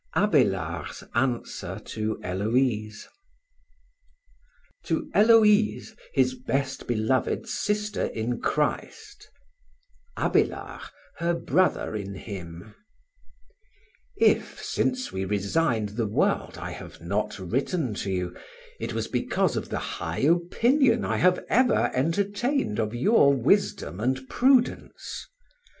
ABÉLARD'S ANSWER TO HÉLOÏSE To Héloïse, his best beloved Sister in Christ, Abélard, her Brother in Him: If, since we resigned the world I have not written to you, it was because of the high opinion I have ever entertained of your wisdom and prudence.